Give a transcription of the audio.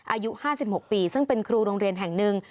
อายุ๕๖ปีซึ่งเป็นครูโรงเรียนแห่งหนึ่ง